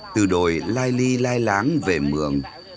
từ đồi lai ly lai láng về mường